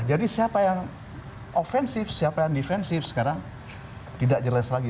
jadi siapa yang ofensif siapa yang defensif sekarang tidak jelas lagi